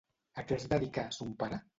A què es dedicà son pare?